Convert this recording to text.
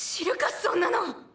そんなの！